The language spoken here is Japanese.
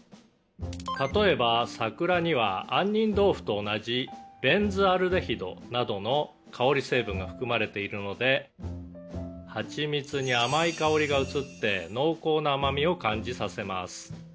「例えば桜にはあんにん豆腐と同じベンズアルデヒドなどの香り成分が含まれているのではちみつに甘い香りが移って濃厚な甘みを感じさせます」